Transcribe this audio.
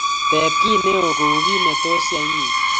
Tepche neo kou kit ne tos iyay inye